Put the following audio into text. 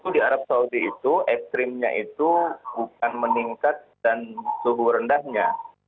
di arab saudi itu ekstrimnya itu bukan meningkat dan suhu rendahnya